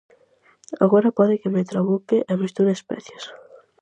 Agora pode que me trabuque e mesture especies.